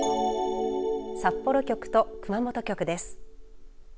札幌局と熊本局です。